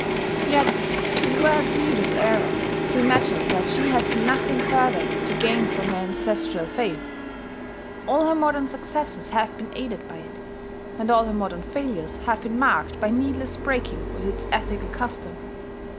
Yet it were a grievous error to imagine that she has nothing further to gain from her ancestral faith. All her modern successes have been aided by it; and all her modern failures have been marked by needless breaking with its ethical custom.